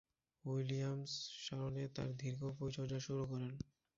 Williams সারনে তার দীর্ঘ পরিচর্যা শুরু করেন।